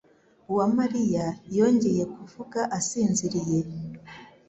Uwamariya yongeye kuvuga asinziriye.